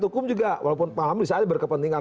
hukum juga walaupun pengalaman di saat ini berkepentingan